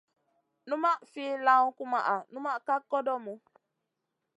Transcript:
Numaʼ fi lawn kumaʼa numa ka kodomu.